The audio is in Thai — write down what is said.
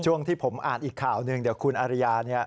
ที่ผมอ่านอีกข่าวหนึ่งเดี๋ยวคุณอาริยา